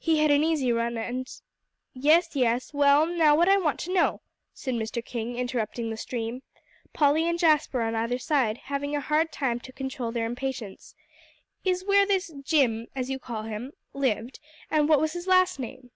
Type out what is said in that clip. He had an easy run. And " "Yes, yes; well, now what I want to know," said Mr. King interrupting the stream, Polly and Jasper on either side having a hard time to control their impatience, "is where this 'Jim,' as you call him, lived, and what was his last name."